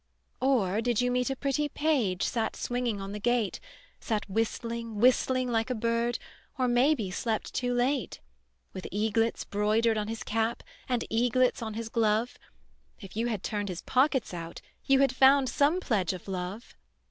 "Or did you meet a pretty page Sat swinging on the gate; Sat whistling, whistling like a bird, Or may be slept too late: With eaglets broidered on his cap, And eaglets on his glove? If you had turned his pockets out, You had found some pledge of love."